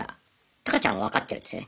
タカちゃんは分かってるんですよね